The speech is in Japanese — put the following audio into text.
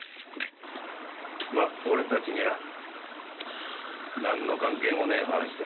まっ俺たちには何の関係もねえ話だ。